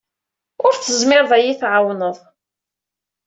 Ur tezmireḍ ad iyi-tɛawneḍ.